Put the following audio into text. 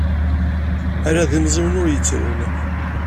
Ala d imẓiwen ur yettrun.